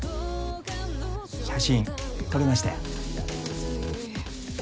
写真撮れましたよ。